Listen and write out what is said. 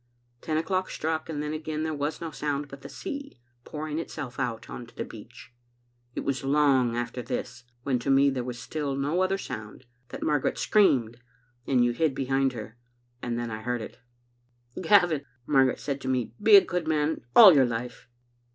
"Ten o'clock struck, and then again there was no sound but the sea pouring itself out on the beach. It was long after this, when to me there was still no other sound, that Margaret screamed, and you hid behind her. Then I heard it. "'Gavin,' Margaret said to me, *be a good man all your life.